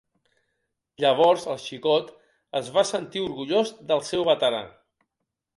Llavors el xicot es va sentir orgullós del seu veterà.